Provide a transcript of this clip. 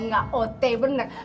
aduh gak otet bener